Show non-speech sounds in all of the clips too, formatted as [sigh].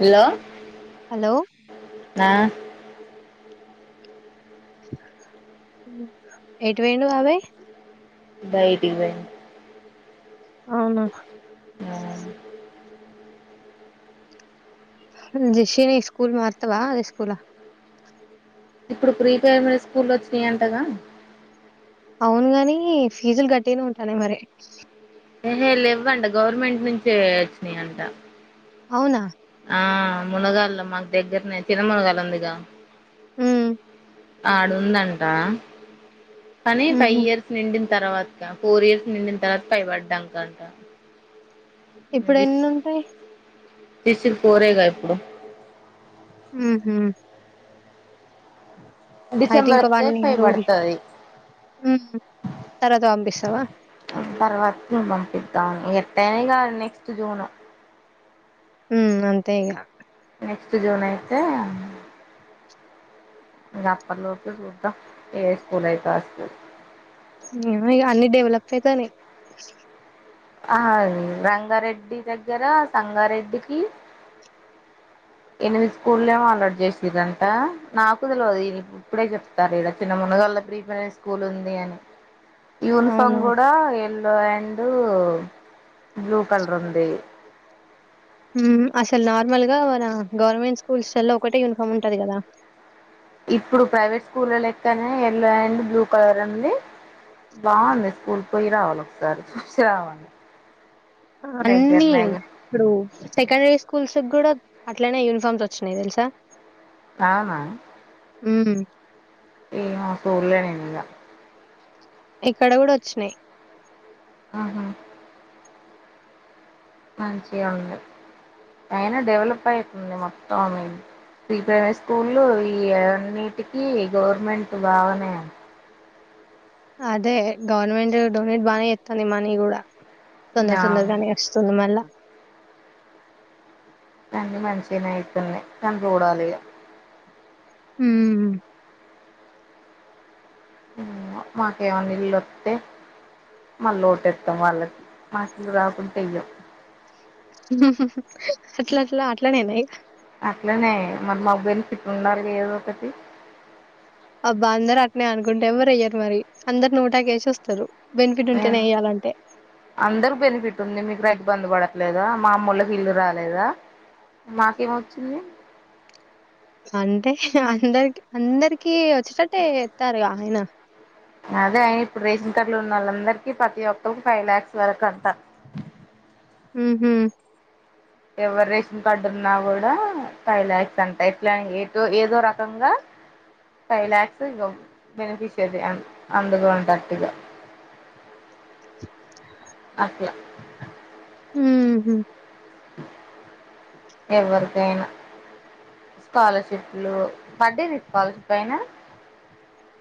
Hello hello ఆ ఏటువేను బబాయి బయటికి [unintelligible] అవునా ఆ [unintelligible] స్కూల్ మార్తవా అదే స్కూలా ఇప్పుడు ప్రీ ప్రైమరీ స్కూల్ వచ్చినాయి అంటగా అవును గాని ఫీజులు గట్టినే ఉంటాన్నాయి మరి హే లే ఇవ్వంట గవర్నమెంట్ నుంచి వచ్చినాయి అంట అవునా ఆ మునగాళ్లో మాకు దగ్గరనే తిన మునగాలుందిగా హు ఆడుందంట కానీ ఫైవ్ ఉహు ఇయర్స్ నిండి తర్వాత ఫోర్ ఇయర్స్ నిండిన తర్వాత పైపడ కంట ఇప్పుడు ఎన్ని ఉంటాయి [unintelligible] ఫోర్ రేగా ఇప్పుడు హు హు డిసెంబర్ ఇంకో వేస్తే వన్ ఫైవ్ ఇయర్ ఊర్లి పడుతుది ఉమ్ తర్వాత పంపిస్తావా తర్వాత పంపిద్దాను ఎ టనగా నెక్స్ట్ జూను ఉ అంత ఇ నెక్స్ట్ జోన్ అయితే ఇంకా అప్పటి లోపు చూద్దాం ఎ స్కూల్ అయితే ఆ స్కూల్ ఏ ఇ అన్ని డెవలప్ అయితానే అ అది రంగారెడ్డి దగ్గర సంగారెడ్డికి ఎనిమిది స్కూళ్ల్లో అలవాటు చేసదంట నాకు తెలియదు ఇప్పుడే చెప్తారు ఇడ చిన్న ముందు ప్రీ ప్రమరీ స్కూల్ ఉంది అని యూనిఫామ్ అవును కూడా అండ్ బ్లూ కలర్ ఉంది అసలు నార్మల్ గా మన గవర్నమెంట్ స్కూల్స్ లో ఒకటే యూనిఫామ్ ఉంటది కదా ఇప్పుడు ప్రైవేట్ స్కూల లెక్కనే యల్లో అండ్ బ్లూ కలర్ అండి బాగుంది స్కూల్, పోయి రావాల్ ఒకసారి చూసి రావాలి అన్నీ దగ్గరనే ఇగ ఇప్పుడు సెకండరీ స్కూల్స్ కూడా అట్లనే యూనిఫార్మ్స్ వచ్చినయి తెలుసా అవునా మ్మ్ ఏమో సూడలే నేన్ ఇగా ఇక్కడ కూడా వచ్చినాయి్ ఆహా మంచిగ ఉంది, అయినా డెవలప్ అయితుంది మొత్తం మీ ప్రీ ప్రైమరీ స్కూలు, ఈ అన్నిటికీ గవర్నమెంట్ బాగానే అదే గవర్నమెంట్ డొనేట్ బానే చేత్తంది మనీ కూడా తొందర ఆ తొందరగానే అస్తుంది మళ్ళా అన్ని మంచిగనే అయితునయ్ కానీ చూడాలిగా మ్మ్ మాకేమన్న ఇల్లోత్తే మళ్ళీ ఓటెత్తం వాళ్ళకి, మాకు ఇల్లు రాకుంటే ఇయ్యం అట్ల ఎట్లా, అట్ల నేనా ఇగ అట్లనే మరి మాక్ బెనిఫిట్ ఉండాలి కదా ఏదో ఒకటి అబ్బా అందరు అట్నే అనుకుంటే ఎవరు ఎయ్యారు మరి అందరు నోటాకేషి వస్తారు ఏ అందరిక్ బెనిఫిట్ ఉంది మీకు రైతుబంధు పడ లేదా మా అమ్మోలాక్ ఇల్లు రాలేదా మాకేమొచ్చింది అంటే, అందరికి అందరికి వచ్చేటట్టే చెత్తారుగా ఆయన అదే అయిన ఇప్పుడు రేషన్ కార్డులున్నోల్ అందరికి ప్రతి ఒక్కరికి ఫైవ్ లాక్స్ వరకు అంటా మ్మ్హ్హ్ ఎవరు రేషన్ కార్డు ఉన్నా కూడా ఫైవ్ లాక్స్ అంటా ఎట్లా ఏదో ఏదో రకంగా ఫైవ్ లాక్స్ ఇ బెనెఫిషరీ అంద్ అందులో ఉంటట్టుగా అట్ల మ్మ్హ్హ్ ఎవరికైనా స్కాలర్షిప్లు, పడ్డది స్కాలర్షిప్ అయినా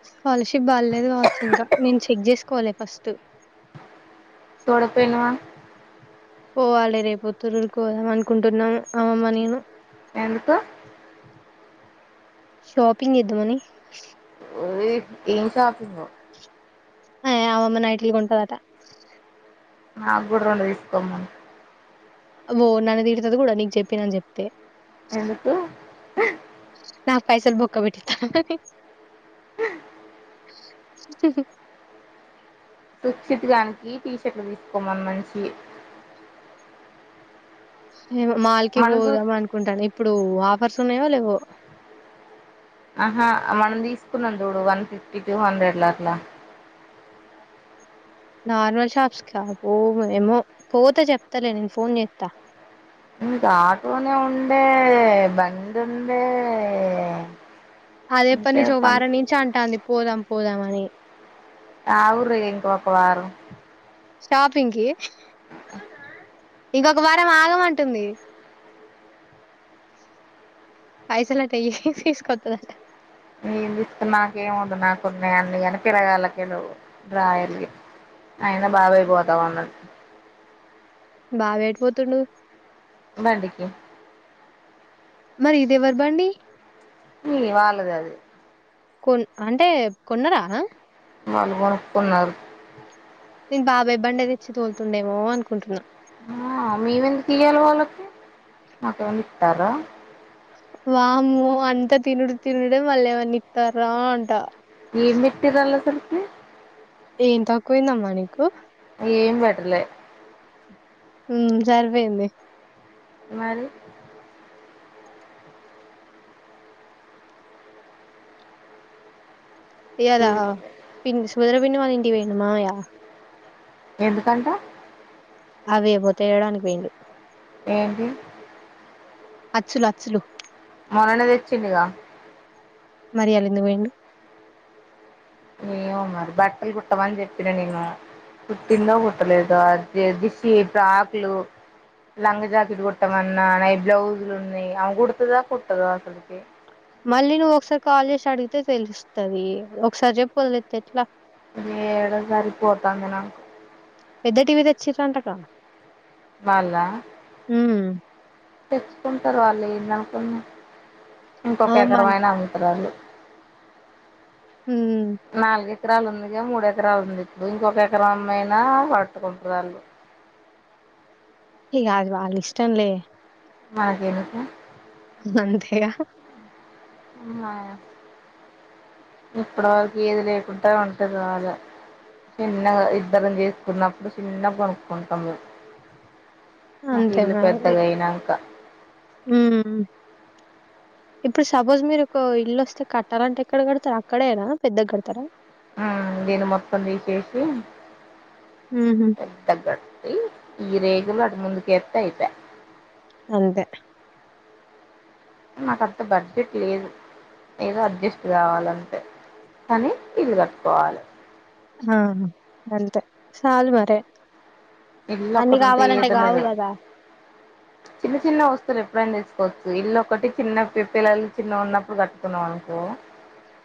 స్కాలర్షిప్ బాల్లేదు కావచ్చు ఇంకా నేను చెక్ చేసుకోవాలి ఫస్ట్ చూడకపోయినవా పోవాలి రేపు తొర్రుర్ కి పోదాం అనుకుంటున్నాము అమమ్మ నేను ఎందుకు షాపింగ్ చేద్దామని ఓ ఏం షాపింగో ఆ అమ్మమ్మ నైటీలు కొంటదాట నాకు కూడా రెండు తీసుకోమ్మన్ ఓ నన్ను తిడ్తది కూడా నీకు చెప్పినని చెప్తే ఎందుకు నాక్ పైసలు బొక్క బెట్టి తు చిట్టి గానికి టీషర్ట్లు తీసుకోమన్న చి మాల్ కి మనం చూస్ పోదాం అనుకుంటన్న ఇప్పుడు ఆఫర్స్ ఉన్నాయో లేవో ఆహా మనం తీసుకున్నం చూడు వన్ ఫిఫ్టీ టూ హండ్రెడ్ ల అట్లా నార్మల్ షాప్స్ కా అబ్బో ఎమో, పోతే చెప్తలే నేను ఫోన్ చేత్తా మీక్ ఆటోనే ఉండే బండ్ ఉండే అది ఎప్పటి ఇంకే నుంచో పని వారం నుంచి అంటాంది పోదాం పోదాం అని అవుఊరు ఎంకో ఒక వారం షాపింగ్ కి ఇంకొక వారం ఆగం అంటుంది పైసలుట్టయ తీసుకతది అట ఏ ఇస్తు నాకేమవుదు నాకు ఉన్నా అడి కాని పిరగాలకిళవు రాయల్ అయినా బాబాయి పోతాన్నా బావ ఎటు పోతుండు బడికి మరి ఇది ఏవర బండి వాళ్ళది అది కొన్ అంటే కొన్నరా మల్గం కున్నల్ నేను బాబాయబ్ బండే తెచ్చి తోలుతుండేమో అనుకుంటున్నా ఆ మవెందు ఇయాలి వాళ్ళకి మాకే ఇస్తారా వాము అంతా తినుడు తినుడే మళ్ళ ఏమన్నా ఇస్తారా అంట ఏంమిట్రల్ వల్ల అసల్ ఏం తక్కువయిందమ్మా నీకు ఏం పెటలే సరిపోయింది మరి యదా మరి పిన్ సుభద్ర పిన్న వాళంటి పోయిండా మామయ్య ఎందుకంట అవే పోతేయడానికి పోయిండు ఏది అచ్చలు అచ్చలు మొన్న నే తెచ్చిడిగా మరి ఇయల ఎందుకు పోయిండు ఏమో మరి బట్టలు కుట్టమనీ చెప్పిన నేను కుటింద కుట్టలేదు అ దిశ ప్రకులు లంగ్ జాకెట్ కొట్టామ అన్న నై బ్లౌజ్లు ఉన్నాయి అ కుడతుదా కుట్టదో అసలుకి మళ్ళీ నువ్వు ఒకసారి కాలేస్ అడిగితే తెలుస్తది ఒకసారి చెప్ వదిలేస్తే ఎట్లా మీ ఏడోసారి పోతా అంగనా ఎద టీవీ తెచ్చి రంట కా వాళ్ళ తెచ్చుకుంటారు వాళ్ళు ఏందనుకుని ఇంకొక అవమాన్ ఎకరమైనా అంటారు వాళ్ళు మ్మ్ నాలుగు ఎకరాలు ఉందిగా మూడు ఎకరాలు ఉంది ఇప్పుడు ఇంకొక ఎకర అమ్మయినా పట్టు కుంటరు వాళ్ళు ఇక అది వాళ్ళ ఇష్టంలే మనకేందుకు అంతేగా హా ఇప్పటి వరకు ఏది లేకుండా ఉంటది బాగా చిన్నగా ఇద్దరం చేసుకున్నప్పుడు చిన్న కొనుక్కుంటాము అంతేగా మరి మ్మ్ ఇప్పుడు సపోజ్ మీరు ఒక ఇల్లు వస్తే కట్టాల అంటే ఎక్కడ కడతారు అక్కడే ఎనా పెద్దగా కడతారా ఆ నేను మొత్తం దిసే సి హుహు. పెద్ద గట్టి ఈ రేకులు అటు ముందుక ఎస్త అయిపాయి అంతే నాకంత బడ్జెట్ లేదు ఏదో అడ్జస్ట్ కావాలంటే కానీ ఇది కట్టుకోవాలి ఆ అంతే సాల్ మారే ఎల్ొక్కటింట ఏదన్న గదా! చిన్న చిన్న వస్తు అసలు ఎప్పుడైం తీసుకోవచ్చు ఇల్లుొ ఒకటి చిన్న పిల్లలు చిన్న ఉన్నప్పుడు కట్టుకున్నాం అనుకో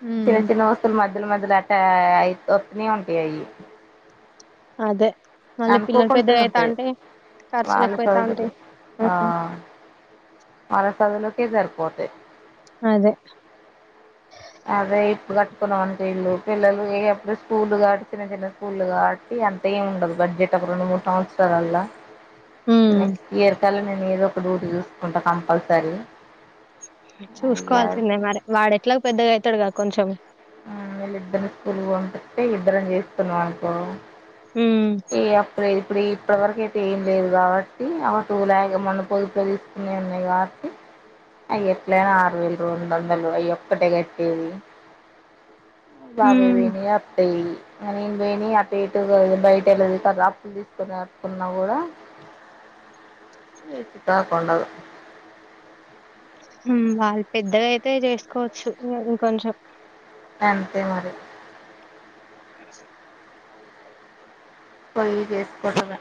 హ్మ్. చిన్న చిన్న వస్తువులు మధ్యల మధ్యలో అట్ట అయి వస్తనే ఉంటాయివి అదే మళ్ళీ పిల్లలు పెద్ద అవుతా ఉంటాయి ఉంటే ఖర్చులు వాళ్ళ ఎక్కువవుతా ఉంటా చదువులు మర చదులోకే సరిపోత అదే అదే ఇప్పుడు కట్టుకున్నాం అంట ఇల్లు పిల్లలు ఏప్పుడు స్కూల్లు కాబట్టి చిన్న చిన్న స్కూళ్లు కాబట్టి అంత ఏం ఉండదు బడ్జెట్ ఒక రెండు మూడు సంవత్సరాలల్లా హ్మ్. నెక్స్ట్ ఇయర్ కల్లా నేను ఏదో ఒక డ్యూటీ చూసుకుంటా కంపల్సరీ అయ్యా చూసుకోవాల్సిందే మరి వాడు ఎట్లా పెద్దగా అవుతాడుగా కొంచెం వీళ్ళిద్దరిని స్కూల్ బంంటే ఇద్దరం చేస్తున్నాం అనుకో హ్మ్. ఏ అప్పు్రల్ ఇప్పుడు ఇప్పటి వరక అయితే ఏం లేదు కాబట్టి అ టూ లే మొ పొదుపు తీసునే ఉన్నాయి కాబట్టి అ ఎట్లనా ఆరు వేలు రెండు వందలు అయ ఒక్కటే కట్టేది హ్మ్. బావేవేణ అత్త అ వని అటు ఇటు బయట వెళ్ళదు క అప్పులు తీసుకొనిటుకున్నా కూడా [unintelligible] వాళ్ళు పెద్దగా అయితే చేసుకోవచ్చు ఇంకొంచెం అంతే మరి అ స చేసుకుడద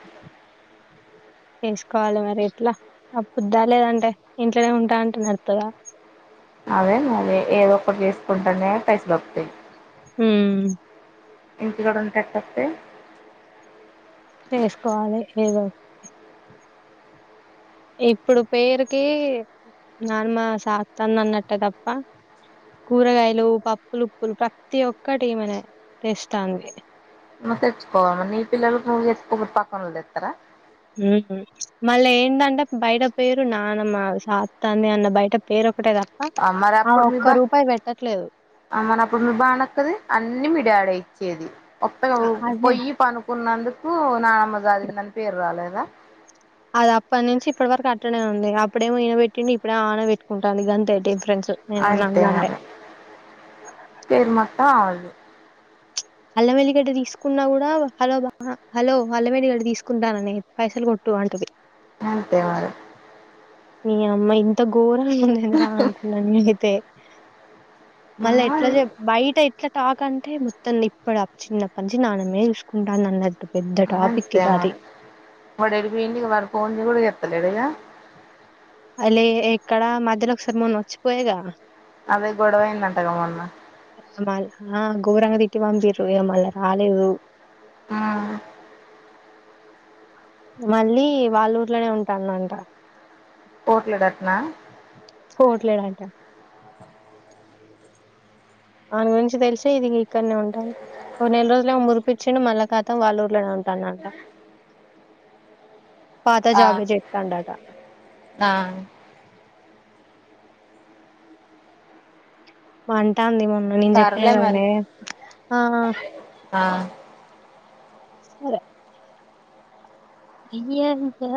చేసుకోవాలి మరి ఇట్లా ఆ పుద్దా లేదంటే ఇంట్లోనే ఉంటా అంటే నడుతుందా అదే నువ ఏదో ఒకటి చేసుకుంటానే పైస పక్తాయి హ ఇంటి కూడా ఉంటారు తప్పతే చేసుకోవాలి ఏదో ఇప్పుడు పేరుకి నానమ సాస్తంద అన్నట్టే తప్ప కూరగాయలు పప్పులుప్పులు ప్రతి ఒక్కటి మన తెస్తాంది ను తెచ్చుకోవాలి మ ఈ పిల్లలు పక్కన తెస్తారా మళ్ళీ ఏంటంటే బయట పేరు నాన్నమ్ మా సాత్త అంది అన్న బయట పేరు ఒకటే తప్ప ఆ ఒక్క రూపాయి పెట్టట్లేదు అ మన అప్పుడు మీ బానక్కది అన్నిీ మీ డాడీ వచ్చేది ఒప్ప అ అదే పొయ్యి పనుకున్నందుకు నానమ్మ జారిందని పేరు రాలేదు అదా అది అప్పటి నుంచి ఇప్పటి వరకు అట్టడే ఉంది అప్పుడేమి ఈయన పెట్టిడి ఇప్పుడే ఆన పెట్టుకుంటుంది గంత అంతే మరి పేరు మత్త ఆవుళు అల్లమల్లిగడ్డ తీసుకున్నా కూడా హలో బా హలో అల్లమల్లిగడ్డ తీసుకుంటానని పైసలు కొ టు అంటది ననంతే మర మీ అమ్మ ఇంత ఘోరంగా ఉందిందిరా అనుకున్నాను అయితే మల ఎట్ల మరి జ బయిట ఎట్లా తాకంటే మొత్తం ఇప్పుడు ఆ చిన్నప్పనించి నానమే చూసుకుంటాను అన్నట్డు అ ఎంతే మ ఇడ పడి మ పో కూడా ఎ ఎడ అలీ ఎక్కడ మధ్యలోకి సార్ మున్ వచ్చపోయగా అదే గొడవైందంటగా మొన్న ఏమాల్ ఆ గోరంగా తిట్టి పంపారు మళ్ళీ రాలేరు ఆ మళ్ళీ వాళ్ల ఊర్లనే ఉంటాది అంట పోట్లేడట్నా పోట్లేడంట వాని గురించి తెలిసి ఇది ఇక్కడనే ఉంటాంది. ఓ నెల రోజులు ఏమో మురిపిచ్చిండు మళ్ళా ఖతం వాళ్ళ ఊర్లనే ఉంటాడు అంట పాత ఆ జాబే చెతాండు అట ఆ మంటాందిమో నేను చెప్పిన సర్లే మరి కదానే ఆ ఆ సరే అయ్యో నీకు